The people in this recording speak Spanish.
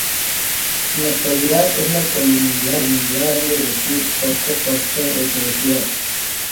En la actualidad es la comunidad más grande de Schleswig-Holsteins sin derechos de ciudad.